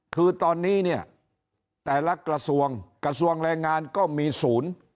คือตอนนี้เนี่ยแต่ละกระทรวงกระทรวงแรงงานก็มีศูนย์